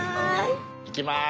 行きます！